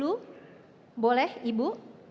dulu boleh ibu